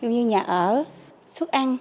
như nhà ở xuất ăn